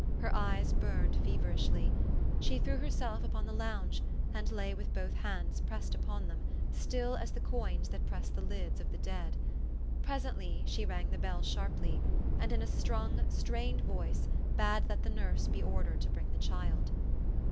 Her eyes burned feverishly. She threw herself upon the lounge, and lay with both hands pressed upon them, still as the coins that press the lids of the dead. Presently she rang the bell sharply, and in a strung, strained voice bade that the nurse be ordered to bring the child.